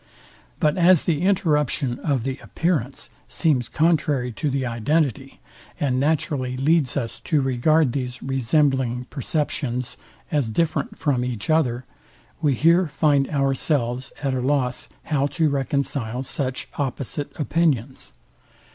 But as the interruption of the appearance seems contrary to the identity, and naturally leads us to regard these resembling perceptions as different from each other, we here find ourselves at a loss how to reconcile such opposite opinions.